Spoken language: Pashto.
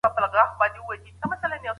د کورنۍ تنظيم، پر وخت وکاروه